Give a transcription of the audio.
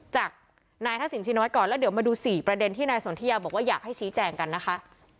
จากนายทักษิณชิน้อยก่อนแล้วเดี๋ยวมาดู๔ประเด็นที่นายสนทิยาบอกว่าอยากให้ชี้แจงกันนะคะ